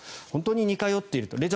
本当に似通っていると。